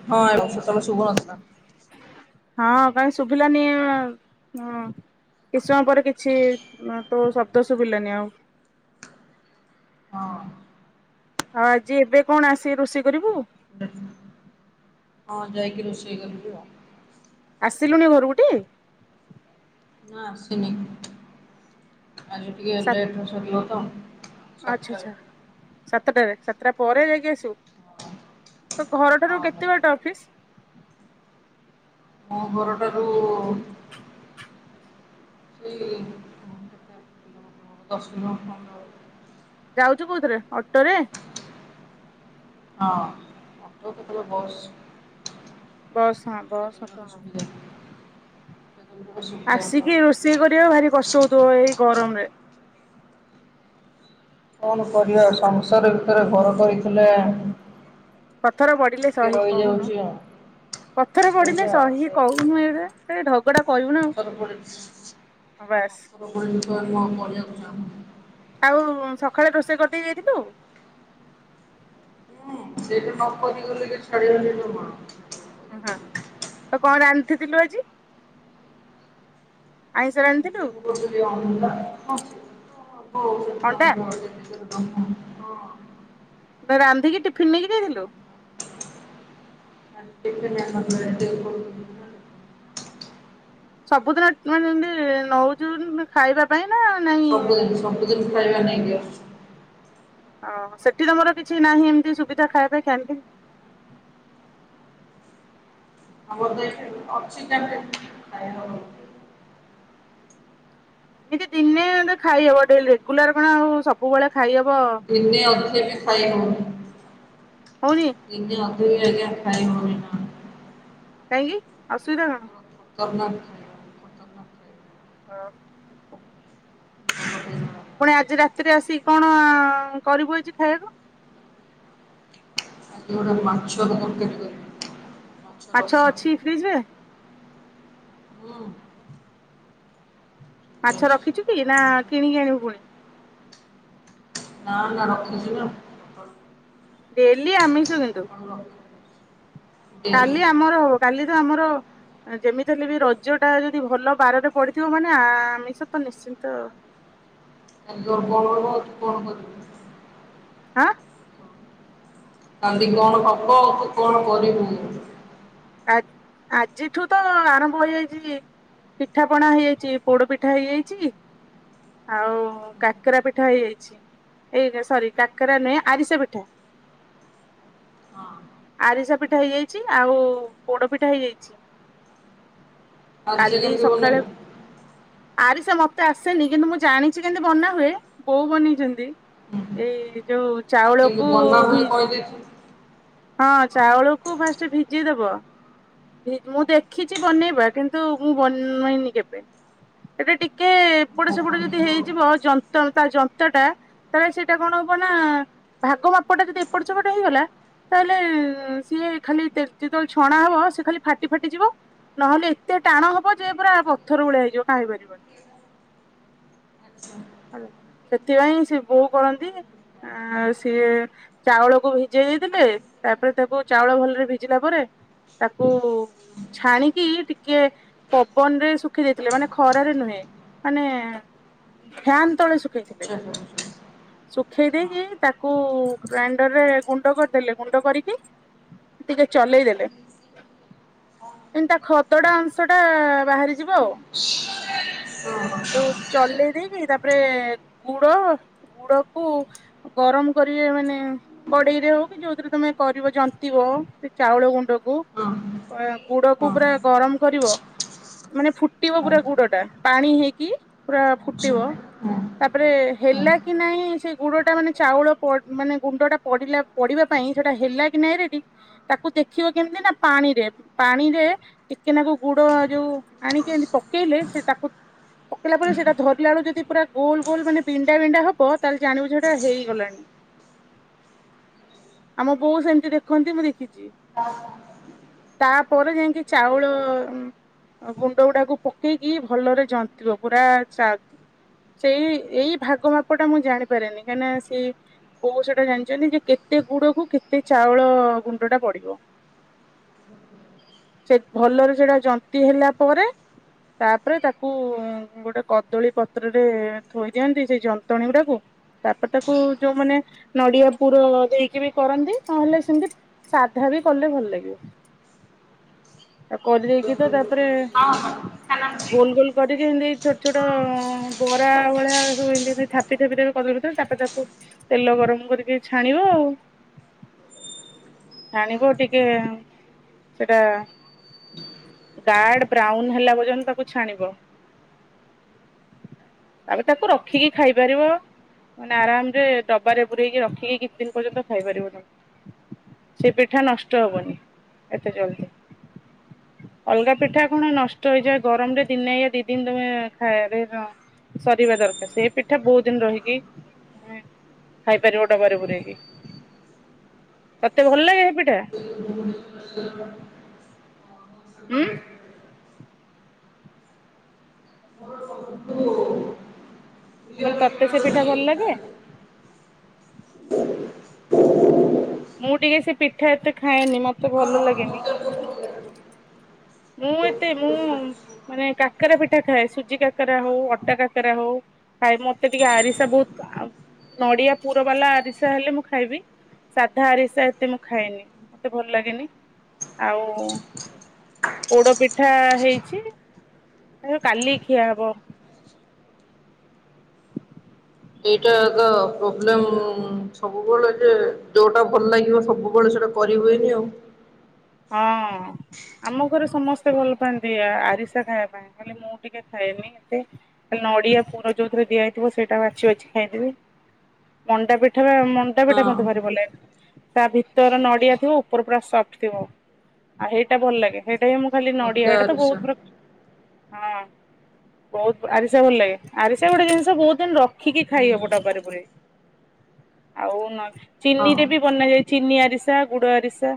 ହଁ। ହଁ କାଇଁ ଶୁଭିଲାନି ହଁ। କିଛ ସମୟ ପରେ କିଛି ନା ତ ଶବ୍ଦ ଶୁଭିଲାନି ଆଉ। ହଁ। ହଁ ଆଜି ଏବେ କଣ ଆସି ରୋଷେଇ କରିବୁ? ହଁ ଯାଇକି ରୋଷେଇ କରିବି ଆଉ। ଆସିଲୁଣିି ଘରକୁ ଟି? ନା ଆସିନି ଆଜି ଟିକିଏ ସା ଲେଟରେ ସରିବ ତ। ଆଚ୍ଛା ସାତଟାରେ। ଆଚ୍ଛା ସାତଟାରେ ସାତଟା ପରେ ଯାଇକି ଆସିବୁ? ତ ହଁ ଘରଠାରୁ କେତେ ସାତଟା ବାଟ ପରେ ଅଫିସ୍? ମୋ ଘରଟାରୁ। ? ସେଇ ଦଶକିଲୋମିଟର ଯାଉଚୁ କୋଉଥରେ ଅଟୋ ରେ? ହଁ ଅଟୋ କେତେବେଳେ ବସ୍। ବସ୍ ହଁ ବସ୍ କେତେବେଳେ ଗୋଟେ [unintelligible] ସୁବିଧା କେତେବେଳେ ଗୋଟେ ସୁବିଧା ହେଲା ଆଉ। ଆସିକି ରୋଷେଇ କରିବା ଭାରି କଷ୍ଟ ହଉଥିବ ଏଇ ଗରମ ରେ। କଣ କରିବା ସଂସାର ଭିତରେ ଘର କରିଥିଲେ। ପଥର ପଡିଲେ ଟିକିଏ ରହିଯାଉଛି ଆଉ। ପଥରେ ପଡିଲେ ସେଇଟା ଆଉ ସହି ସେଇ କହୁନୁ କଥା। ଏରା ତ ଢଗଡା କହିବୁନା ଆଉ। ପଥର ପଡି ବାସ୍। [unintelligible] ଚାହୁଁ ନି? ଆଉ ସକାଳେ ରୋଷେଇ କରିଦେଇ ଯାଇଥିଲୁ? ସେ ଯଦି ନ କହି ଗଲେ ଛାଡିବିନି [inaudible] [inaudible] କଣ ରାନ୍ଧିଥିଲୁ ଆଜି? ଆଇଁଷ ରାନ୍ଧିଥିଲୁ? ଅଣ୍ଡା [inaudible] ରାନ୍ଧିକି ଟିଫିିନ ନେଇକି ଯଥିଲୁ? [unintelligible] ସବୁଦିନ ମାନେ ଯେମତି ନଉଛୁ ଖାଇବା ପାଇଁ ନା ନାଇ [unintelligible] ହଁ ସେଠି ତମର କିଛି ନାହିଁ ଏମିତି ସୁବିଧା ଖାଇବା ପାଇଁ କେମିତି? [unintelligible] ଏମିତି ଦିନେ ଖାଇହବ ଡେ ରେଗୁଲାର କଣ ଆଉ ସବୁବେଳେ ଖାଇହବ। ଦିନେ ଅଧେ ବି ଖାଇ ହବନି। ହଉନି। ଯେତେ ଅଧେ ବି ଆଜ୍ଞା ଖାଇ ହଉନି। କାହିଁକି ଅସୁବିଧା କଣ। [unintelligible] ଖତରନାକ ଖାଇବା ଭଲ ହଁ। ଖାଇବା ପୁଣି ଆଜି ରାତିରେ ଆସିକି କଣ କରିବୁ ଏଛି ଖାଇବାକୁ। ଆଜି ଗୋଟେ ମାଛ କରିବି। ମାଛ ଅଛି ଫ୍ରିଜ ରେ। ହୁଁ। ମାଛ ରଖିଛୁ କି ନା କିଣିକି ଆଣିବୁ ପୁଣି। ନା ନା ରଖିଛି ନା। ସକାଳୁ ଡେଲି ଆମିଷ କିନ୍ତୁ। ହଁ। କାଲି ଆମର ହଉ କାଲି ତ ଆମର ଯେମିତି ହେଲେ ବି ରଜ ଟା ଯଦି ଭଲ ବାରରେ ପଡିଥିବ ମାନେ ଆମିଷ ତ ନିଶ୍ଚିନ୍ତ। [unintelligible] ଆଁ କାନ୍ଦ କଣ କବ ତୁ କଣ କରିବୁ। ଆ ଆଜିଠୁ ତ ଆରମ୍ଭ ହେଇଯାଇଛି। ପିଠା ପଣା ହେଇଯାଇଛି ପୋଡ ପିଠା ହେଇଯାଇଛି। ଆଉ କାକରା ପିଠା ହେଇଯାଇଛି। ଏଇ ସରି କାକରା ନୁହେଁ ଆରିଶା ପିଠା। ହଁ। ଆରିସା ପିଠା ହେଇଯାଇଛି ଆଉ ବୋଡ ପିଠା ହେଇଯାଇଛି ଆଜି ସେ କାଲି କେମିତି ସକାଳେ ବନେଇଲା ଆରି ସେ ମତେ ଆସେନି କିନ୍ତୁ ମୁଁ ଜାଣିଛି କେମତି ବନାହୁୁଏ ବୋଉ ବନେଇଛନ୍ତି। ଏଇ ଯୋଉ କେମିତି ଚାଉଳକୁ ବନା ହୁଏ ଭ କହିଦେଇଥିବୁ ହଁ ଚାଉଳକୁ ଫାଷ୍ଟ ଭିଜିଇଦବ। ମୁଁ ଦେଖିଛି ବନେଇବା କିନ୍ତୁ ମୁଁ ବନେଇନି କେବେ। ଏଟା ଟିକେ ଗୋଡେ ହଉ ସେପୋଟ ଯଦି ବନେଇବୁ ଆଉ ହେଇଯିବ ଯନ୍ତ ତା ଯନ୍ତା ଟା। ତାହେ ସେଇଟା କଣ ହବ ନା ଭାଗ ମାପଟା ଯଦି ଏପଟ ସେପଟ ହେଇଗଲା। ତାହେଲେ ସିଏ ଖାଲି ଯେତେବେଳେ ଛଣା ହବ ସେ ଖାଲି ଫାଟି ଫାଟିଯିବ ନହେଲେ ଏତେ ଟାଣ ହବ ଯେ ପୁରା ପଥର ଭଳିଆ ହେଇଯିବ କାହିଁ ପାରିବନି। ସେଥିପାଇଁ ସେ ବୋଉ କରନ୍ତି ଆ ସିଏ ଚାଉଳକୁ ଭିଜେଇ ଦେଇଥିଲେ, ତାପରେ ତାକୁ ଚାଉଳ ଭଲରେ ଭିଜିଲା ପରେ ତାକୁ ଛାଣିକି ଟିକେ ପବନରେ ଶୁଖେ ଦେଇଥିଲେ ମାନେ ଖରାରେ ନୁହେଁ ମାନେ ଫ୍ୟାନ ତଳେ ଶୁଖେଇଥିଲେ। ଶୁଖେଇ ଦେଇକି ତାକୁ ଗ୍ରାଇଣ୍ଡର ରେ ଗୁଣ୍ଡ କରିଦେଲେ ଗୁଣ୍ଡ କରିକି ଟିକେ ଚଲେଇ ଦେବେ। ଯେମତି ତା ଖଦଡ଼ା ଅଂଶ ଟା ବାହାରିଯିବ ଆଉ। ଚଲେଇ ଦେଇକି ତାପରେ ଗୁଡ ଗୁଡ କୁ ଗରମ କରିବେ ମାନେ କଡେଇ ରେ ହଉ କି ଯୋଉଥିରେ ତମେ କରିବ ଜନ୍ତିବ ସେ ଚାଉଳ ଗୁଣ୍ଡ କୁ ଗୁଡ କୁ ପୁରା ଗରମ କରିବ ମାନେ ଫୁଟିବ ପୁରା ଗୁଡ ଟା ପାଣି ହେଇ କି ପୁରା ଫୁଟିବ। ତାପରେ ହେଲା କି ନାହିଁ ସେ ଗୁଡ଼ ଟା ମାନେ ଚାଉଳ ପ ମାନେ ଗୁଣ୍ଡ ଟା ପଡିଲା ପୋଡ଼ିବା ପାଇଁ ସେଟା ହେଲା କି ନାଇଁ ରେଡ଼ି ତାକୁ ଦେଖିବ କେମିତି ନା ପାଣିରେ ପାଣିରେ ଟିକେନାକୁ ଗୁଡ ଯୋଉ ଆଣିକି ଏମତି ପକେଇଲେ ସେ ତାକୁ ପକେଇଲା ପରେ ସେଇଟା ଧରିଲା ବେଳେ ଯଦି ପୁରା ଗୋଲ ଗୋଲ ମାନେ ବିଣ୍ଡା ବିଣ୍ଡା ହବ ତାହେଲେ ଜାଣିବ ଯେ ହେଟା ହେଇଗଲାଣି। ଆମ ବୋଉ ସେମତି ଦେଖନ୍ତି ମୁଁ ଦେଖିଚି। ହଁ। ତାପରେ ଯାଇକି ଚାଉଳ ଗୁଣ୍ଡ ଗୁଡାକୁ ପକେଇକି ଭଲରେ ଯନ୍ତ ନ୍ତିବ ପୁରା ଚା ସେଇ ଏଇ ଭାଗ ମାପ ଟା ମୁଁ ଜାଣିପାରେନି କାହିଁକିନା ସେ ବୋଉ ସେଟା ଜାଣିଛନ୍ତି ଯେ କେତେ ଗୁଡ କୁ କେତେ ଚାଉଳ ଗୁଣ୍ଡ ଟା ପଡିବ। [inaudible] ସେ ଭଲରେ ସେଟା ଯନ୍ତିି ହେଲା ପରେ ତାପରେ ତାକୁ ଗୋଟେ କଦଳୀ ପତ୍ରରେ ଥୋଇ ଦିଅନ୍ତି ସେଇ ଯନ୍ତଣୀ ଉଡାକୁ। ତାପରେ ତାକୁ ଯୋଉମାନେ ନଡିଆ ପୁର ଦେଇକି ବି କରନ୍ତି ତାହେଲେ ସେମିତି ସାଧା ବି କଲେ ଭଲ ଲାଗିବ। ଆ କରିଦେଇକି ତ ତାପରେ ଗୋଲ ଗୋଲ କରିକି ଏମିତି ଛୋଟ ଛୋଟ ବରା ଭଳିଆ ସବୁ ଏମିତି ଥାପି ଥାପି ଦେବେ କଦଳୀ ପତ୍ର ରେ ତାପରେ ତାକୁ ତେଲ ଗରମ କରିକି ଛାଣିବ ଆଉ। ଛାଣିବ ଟିକେ ସେଟା ଗାର୍ଡ ବ୍ରାଉନ ହେଲା ପର୍ଯ୍ୟନ୍ତ ତାକୁ ଛାଣିବ। ତାପରେ ତାକୁ ରଖିକି ଖାଇ ପାରିବ। ମାନେ ଆରାମରେ ଡବାରେ ପୁରେଇକି ରଖିକି କିଛି ଦିନ ପର୍ଯ୍ୟନ୍ତ ଖାଇ ପାରିବ ତାକୁ। ସେ ପିଠା ନଷ୍ଟ ହବନି ଏତେ ଜଲ୍ଦି। ଅଲଗା ପିଠା କଣ ନଷ୍ଟ ହେଇଯାଏ ଗରମ ରେ ଦିନେ ୟା ଦି ଦିନ ତମେ ଖାଇବା ସରିବା ଦରକାର ସେ ପିଠା ବହୁତ ଦିନ ରହିକି ଖାଇପାରିବ ଡବାରେ ପୁରେଇକି, ତତେ ଭଲ ଲାଗେ ହେ ପିଠା? [unintelligible] ଉଁ। [unintelligible] ମୁଁ କହିଲି ତତେ ସେ ପିଠା ଭଲ ଲାଗେ? ମୁଁ ଟିକେ ସେ ପିଠା ଏତେ ଖାଏନି ମତେ ଭଲ ଲାଗେନି। ମୁଁ ଏତେ ମୁଁ ମାନେ କାକରା ପିଠା ଖାଏ ସୁଜି କାକରା ହଉ ଅଟା କାକରା ହଉ। ଖାଏ ମତେ ଟିକେ ଆରିସା ବହୁତ ନଡିଆ ପୁର ବାଲା ଆରିସା ହେଲେ ମୁଁ ଖାଇବି। ସାଧା ଆରିସା ଏତେ ମୁଁ ଖାଏନି ମତେ ଭଲ ଲାଗେନି ଆଉ ପୋଡ ପିଠା ହେଇଛି ସେ କାଲି ଖିଆ ହବ। ଏଇଟା ତ ପ୍ରୋବ୍ଲେମ ସବୁବେଳେ ଯେ ଯୋଉଟା ଭଲ ଲାଗିବ ସବୁବେଳେ ସେଟା କରିହୁଏନି ଆଉ। ହଁ ଆମ ଘରେ ସମସ୍ତେ ଭଲ ପାଆନ୍ତି ଆରିସା ଖାଇବା ପାଇଁ ମାନେ ମୁଁ ଟିକେ ଖାଇନି ଏତେ ନଡିଆ ପୁର ଯୋଉଥିରେ ଦିଆ ହେଇଥିବ ସେଇଟା ବାଛି ବାଛି ଖାଇଦେବି। ମଣ୍ଡା ପିଠା ବା ମଣ୍ଡା ପିଠା ମତେ ଭାରି ଭଲ ହଁ ଲାଗେ ତା ଭିତର ନଡିଆ ଥିବ ଉପର ପୁରା ସଫ୍ଟ ଥିବ। ଆଉ ହେଟା ଭଲ ଲାଗେ ହେଟା ହିଁ ମୁଁ ଖାଲି ନଡିଆ ମତେ ଏଇଟା ତ ଆରିସା ବହୁତ ପ୍ରକାର ହଁ। ବହୁତ ଆରିଷା ଭଲ ଲାଗେ ଆରିସା ଗୋଟେ ଜିନିଷ ବହୁତ ଦିନ ରଖିକି ହୁଁ ଖାଇହବ ଡ଼ବାରେ ପୁରେଇକି। ଆଉ ନ ହଁ ଚିନି ରେ ବି ବନାଯାଏ ଚିନି ଆରିସା ଗୁଡ ଆରିସା।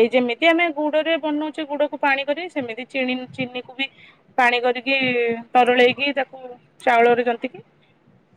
ଏଇ ଯେମିତି ଆମେ ଗୁଡ ରେ ବନଉଚୁ ଗୁଡ କୁ ପାଣି କରି ସେମିତି ଚିନିକୁୁ ବି ପାଣି କରିକି ତରଳେଇକି ତାକୁ ଚାଉଳରେ ଜନ୍ତିକି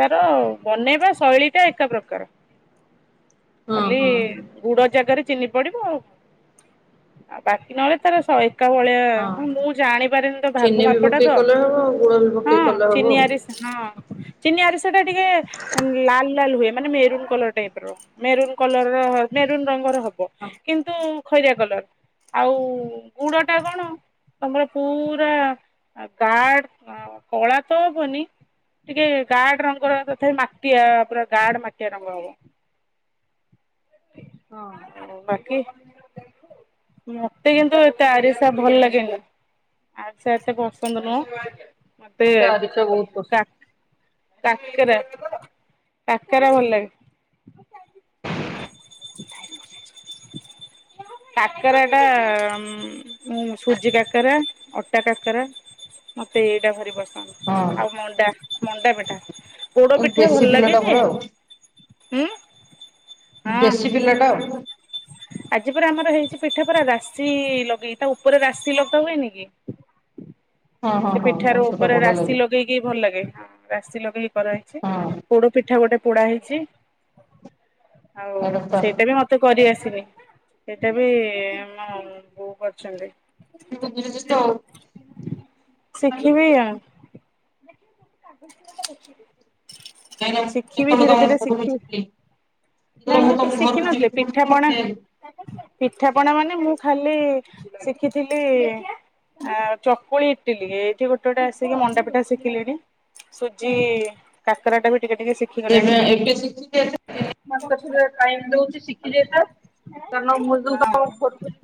ତାର ବନେଇବା ଶୈଳୀ ଟା ଏକା ପ୍ରକାର। ହଁ ଖାଲି ହଁ ଗୁଡ ଜାଗାରେ ଚିନି ପଡିବ ଆଉ। ଆଉ ବାକି ନହେଲେ ତାର ଶହ। ଭଳିଆ ହଁ ମୁଁ ଜାଣିପାରେନି ତ ଭାଗ ଚିନି ବି ମାପଟା ତ ପକେଇ କଲେ ହବ ଆଉ ଗୁଡ ବି ହଁ ପକେଇ କଲେ ହବ ଆଉ। ଚିନିଆରି ହଁ ଚିନି ଆରିସାଟା ଟିକେ ଲାଲ୍ ଲାଲ୍ ହୁଏ ମାନେ ମେରୁନ୍ କଲର ଟାଇପ୍ ର ମେରୁନ୍ କଲର ମେରୁନ୍ ରଙ୍ଗର ହବ। କିନ୍ତୁ ଖରିଆ କଲର ଆଉ ଗୁଡ଼ଟା କଣ ତମର ପୁରା ଗାଡ୍ କଳା ତ ହବନି। ଟିକେ ଗାଡ ରଙ୍ଗର ତଥାପି ମାଟିଆ ପୁରା ଗାଡ ମାଟିଆ ରଙ୍ଗ ହବ। ହଁ ବାକି ମତେ କିନ୍ତୁ ଏତେ ଆରିସା ଭଲ ଲାଗେନି ଆରିସା ଏତେ ପସନ୍ଦ ନୁହଁ। ମତେ ଆରିସା ବହୁତ୍ ପସନ୍ଦ। କାକରା କାକରା ଭଲ ଲାଗେ। କାକରା ଟା ଉଁ ହୁଁ ସୁଜି କାକରା ଅଟା କାକରା ମତେ ଏଇଟା ଭାରି ବଢିଆ ଲାଗେ। ଆଉ ମଣ୍ଡା ମଣ୍ଡା ପିଠା ପୋଡ ପିଠା ଭଲ ଲାଗେ ଯେ ହୁଁ। ହଁ ଦେଶୀ ପିଲାଟା ଆଉ। ଆଜି ପୁରା ଆମର ହେଇଛି ପିଠା ପୁରା ରାଶି ଲଗେଇ ତା ଉପରେ ରାଶି ଲଗା ହୁଏନି କି? ସେ ପିଠାର ଉପରେ ରାଶି ଲଗେ ଲଗେଇକି ଭଲ ଲାଗେ ରାଶି ଲଗେଇକି କରାହେଇଛି ପୋଡ଼ ପିଠା ଗୋଟେ ପୋଡା ହେଇଛି। ଆଉ ସେଇଟା ବି ମତେ କରି ଆସିନି ସେଇଟା ବି ମୋ ବ [unintelligible] ଶିଖିବେ ଆଉ। ଶିଖିବିି ଧୀରେ ଧୀରେ ଶିଖି ନାଁ ମୁଁ କିଛି ଶିଖିିନଥିଲି ପିଠାପଣା ପିଠାପଣା ମାନେ ମୁଁ ଖାଲି ଶିଖିଥିଲି? ଆ ଚକୁଳି ଇଟିଲି ଏଇଠି ଗୋଟେ ଗୋଟେ ଆସିକି ମଣ୍ଡା ପିଠା ଶିଖିଲିଣି। ସୁଜି କାକରାଟା ବି ଟିକେ ଟିକେ ସି [unintelligible] ତାଙ୍କୁ କେତିଟା ଟାଇମ୍ ଦୋଉଚି ଶିଖି ଯାତା। ହଁ [unintelligible]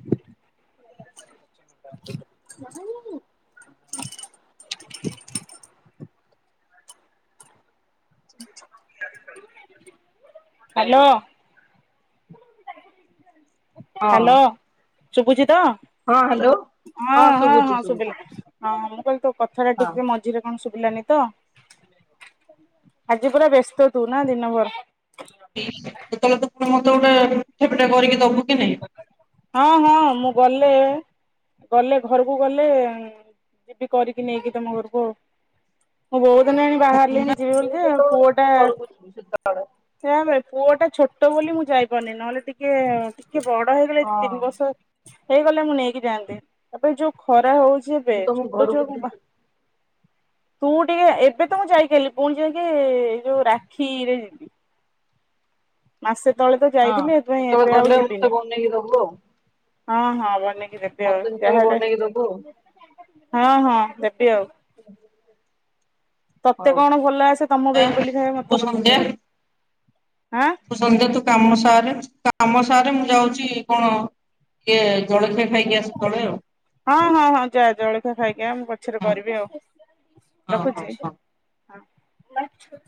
[inaudible] ହ୍ୟାଲୋ। ହଁ ହ୍ୟାଲୋ ଶୁଭୁଛି ତ ହଁ ହ୍ୟାଲୋ ହଁ ହଁ ଶୁଭୁଛି ହଁ ଶୁଭୁଛି ଶୁଭିଲା। ହଁ ମୁଁ କହିଲି ତୋ କଥା ଟା ହଁ। ଠିକ୍ ସେ ମା ଆଜିରେ କଣ ଶୁଭିଲାନି ତ ଆଜି ପୁରା ବ୍ୟସ୍ତ ତୁ ନା ଦିନ ଭର ସେତେବେଳେ ତ ମତେ ଗୋଟେ ମିଠା ପିଠା କରିକି ଦବୁ କି ନାଁଇ। ହଁ ହଁ ମୁଁ ଗଲେ ଗଲେ ଘରକୁ ଗଲେ ଯିବି କରିକି ନେଇକି ତମ ଘରକୁ ଆଉ। ମୁଁ ବହୁତ୍ ଦିନି ହେଲାଣି ବାହାରିଲିଣି ଯିବି ବୋଲି ମୁଁ ଯେ ଯେତେବେଳେ ପୁଅ ଟା ତମ ଘରକୁ ଯିବି ସେତେବେଳେ ସେଆବେ ପୁଅ ଟା ଛୋଟ ବୋଲି ମୁଁ ଯାଇପାରୁନି ନହେଲେ ଟିକେ ଟିକେ ବଡ ହେଇଗଲେ ଯିବି ହଁ ତିନି ବର୍ଷ ହେଇଗଲେ ମୁଁ ନେଇକି ଯାଆନ୍ତି ଏବେ ଯୋଉ ଖରା ହୋଉଚି ଏବେ ମୁଁ ତମ ଛୋଟ ଘରକୁ ଛୁଆକୁ ମା ଯିବି। ତୁ ଟିକେ ଏବେ ତ ମୁଁ ଯାଇକିଆଇଲି ପୁଣି ଯାଇକି ଏଇ ଯୋଉ ରାକ୍ଷୀରେ ଯିବି। ମାସେ ତଳେ ତ ହଁ ଯାଇଥିଲି ଏଥିପାଇଁ ସେତେବେଳେ ଏବେ ଆଉ ଗଲେ ମତେ ଯିବିନି ବନେଇକି ଦବୁ ଆଉ ହଁ ହଁ ଗଲେ। ରେବେ ଆଉ ମତେ ସେତେବେଳେ ଯାହେଲେ ବନେଇକି ଦବୁ ଆଉ ହଁ ହଁ ଦେବି ଆଉ। ତତେ ହଉ। କଣ ଭଲ ଆସେ ତମ ବେଙ୍ଗୁଲି ଖାଏ ଶୁଭ ମତେ ବନେଇ ସନ୍ଧ୍ୟା ଦୋବୁ। ସନ୍ଧ୍ୟା ତୁ କାମସାରେ କାମସାରେ ମୁଁ ଯାଉଚି କଣ ଟିକେ ଜଳଖିଆ ଖାଇକି ଆସୁ ତଳେ ଆଉ। ହଁ ହଁ ହଁ ଯା ଜଳଖିଆ ଖାଇକି ଆ ମୁଁ ପଛରେ ହଁ କରିବି ଆଉ ହଁ ହଁ ରଖୁଛି। ହଁ। [unintelligible]